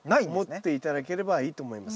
思って頂ければいいと思います。